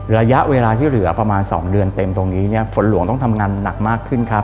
ระยะเวลาที่เหลือประมาณ๒เดือนเต็มตรงนี้เนี่ยฝนหลวงต้องทำงานหนักมากขึ้นครับ